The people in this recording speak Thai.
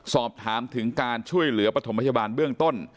สอบถามถึงการช่วยเหลือปฐมพยาบาลเบื้องต้น